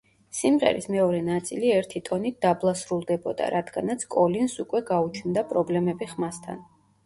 სიმღერის მეორე ნაწილი ერთი ტონით დაბლა სრულდებოდა, რადგანაც კოლინზს უკვე გაუჩნდა პრობლემები ხმასთან.